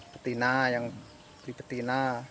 betina yang beli betina